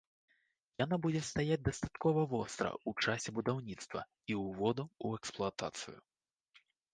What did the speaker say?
Яно будзе стаяць дастаткова востра ў часе будаўніцтва і ўводу ў эксплуатацыю.